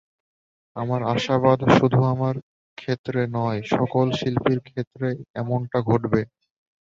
আমার আশাবাদ, শুধু আমার ক্ষেত্রে নয়, সকল শিল্পীর ক্ষেত্রে এমনটা ঘটবে।